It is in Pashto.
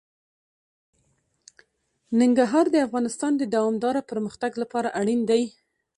ننګرهار د افغانستان د دوامداره پرمختګ لپاره اړین دي.